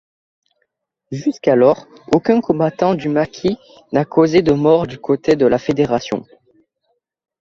Jusqu'alors, aucun combattant du maquis n'a causé de morts du côté de la Fédération.